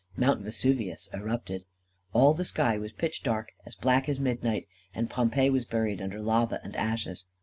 Mount Vesuvius erupted. All the sky was pitch dark, as black as midnight, and Pompeii was buried under lava and ashes.